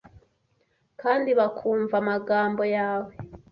kandi bakumva amagambo yawe